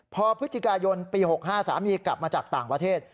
พอพฤศจิกายนปี๖๕สามีกลับมาจากต่างประเทศ